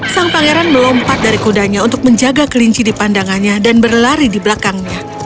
sang pangeran melompat dari kudanya untuk menjaga kelinci di pandangannya dan berlari di belakangnya